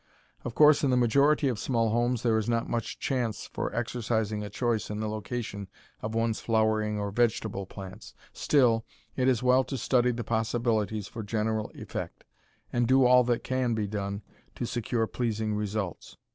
Of course, in the majority of small homes, there is not much chance for exercising a choice in the location of one's flowering or vegetable plants; still, it is well to study the possibilities for general effect, and do all that can be done to secure pleasing results.